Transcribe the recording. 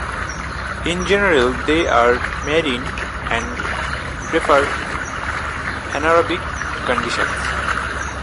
In general, they are marine and prefer anaerobic conditions.